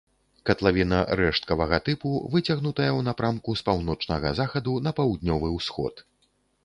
Катлавіна рэшткавага тыпу, выцягнутая ў напрамку з паўночнага захаду на паўднёвы ўсход.